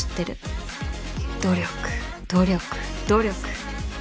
努力努力努力